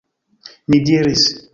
Mi diris.